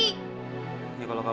jadi gak keburu kalo jalan kaki